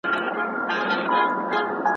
حکومتونه د خلګو د ژوند ساتني مسؤلیت لري.